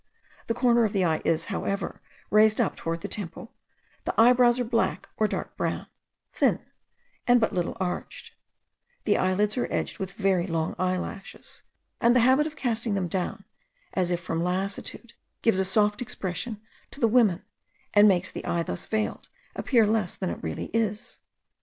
The corner of the eye is, however, raised up towards the temple; the eyebrows are black, or dark brown, thin, and but little arched; the eyelids are edged with very long eyelashes, and the habit of casting them down, as if from lassitude, gives a soft expression to the women, and makes the eye thus veiled appear less than it really is.